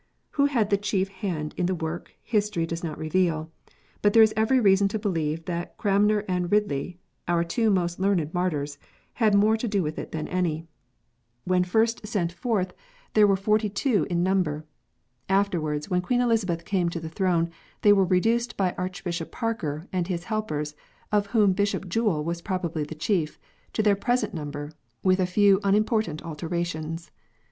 Who had the chief hand in the work, history does not reveal ; but there is every reason to believe that Cranmer and Ridley our two most learned martyrs, had more to do with it than any. When first sent 66 KNOTS UNTIED. forth, they were forty two in number. Afterwards, when Queen Elizabeth came to the throne, they were reduced by Archbishop Parker and his helpers, of whom Bishop Jewell was probably the chief, to their present number, with a few unim portant alterations.